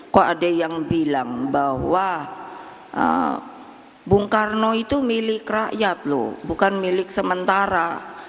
kok ada yang bilang bahwa bung karno itu milik rakyat loh bukan milik sementara